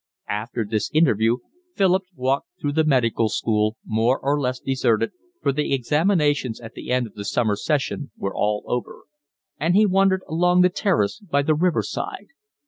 After this interview Philip walked through the Medical School, more or less deserted, for the examinations at the end of the summer session were all over; and he wandered along the terrace by the river side.